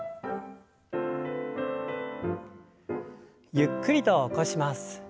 ゆっくりと起こします。